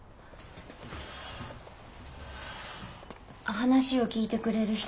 話を聞いてくれる人。